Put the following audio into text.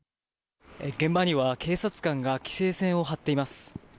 現場には警察官が規制線を張っています。